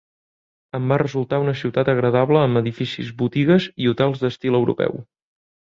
En va resultar una ciutat agradable amb edificis, botigues i hotels d'estil europeu.